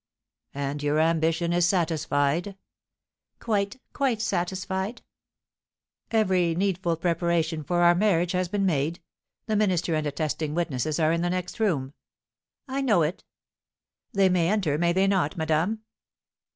"And your ambition is satisfied." "Quite quite satisfied?" "Every needful preparation for our marriage has been made; the minister and attesting witnesses are in the next room." "I know it." "They may enter, may they not, madame?"